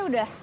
aku udah lupa